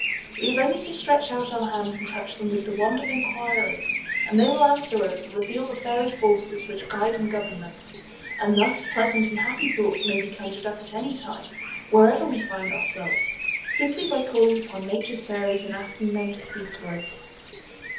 We have only to stretch out our hand and touch them with the wand of inquiry, and they will answer us and reveal the fairy forces which guide and govern them; and thus pleasant and happy thoughts may be conjured up at any time, wherever we find ourselves, by simply calling upon nature's fairies and asking them to speak to us.